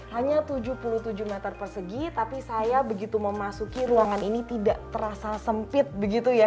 hanya tujuh puluh tujuh meter persegi tapi saya begitu memasuki ruangan ini tidak terasa sempit begitu ya